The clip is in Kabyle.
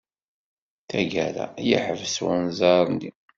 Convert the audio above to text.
Tagara, yeḥbes unẓar-nni.